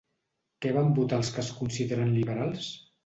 Què van votar els que es consideren liberals?